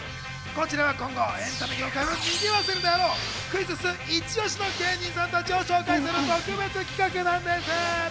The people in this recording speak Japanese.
こちらは今後、エンタメ業界を賑わせるであろうクイズッスイチオシの芸人さんたちを紹介する特別企画なんです！